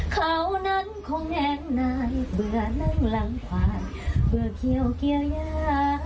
เขานั้นคงแย่งนายเบื่อนั่งหลังควายเบื่อเกี่ยวยา